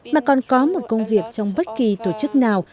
mà còn có một công việc trong bất kỳ tổ chức nào